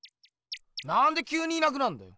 なんできゅうにいなくなんだよ！